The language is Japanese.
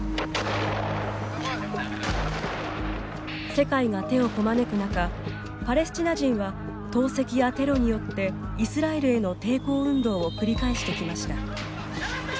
世界が手をこまねく中パレスチナ人は投石やテロによってイスラエルへの抵抗運動を繰り返してきました。